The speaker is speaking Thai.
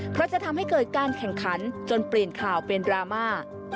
เพราะจะทำให้เกิดการแข่งขันจนเปลี่ยนข่าวเป็นดราม่า